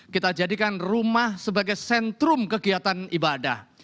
kita jadikan rumah sebagai sentrum kegiatan ibadah